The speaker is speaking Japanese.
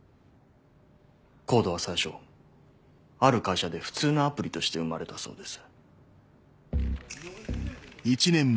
ＣＯＤＥは最初ある会社で普通のアプリとして生まれたそうです。